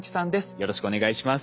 よろしくお願いします。